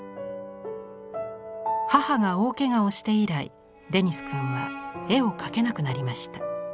母が大けがをして以来デニス君は絵を描けなくなりました。